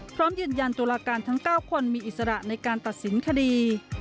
พร้อมยืนยันตุลาการทั้ง๙คนมีอิสระในการตัดสินคดี